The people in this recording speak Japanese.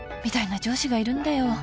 みたいな上司がいるんだよ